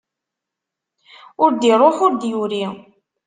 Ur d-iruḥ ur d-yuri.